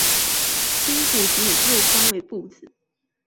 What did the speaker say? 辛部只以右方为部字。